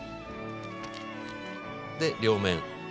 で両面。